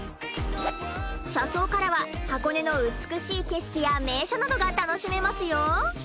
車窓からは箱根の美しい景色や名所などが楽しめますよ。